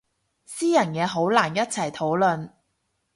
私人嘢好難一齊討論